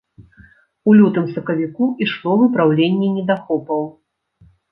У лютым-сакавіку ішло выпраўленне недахопаў.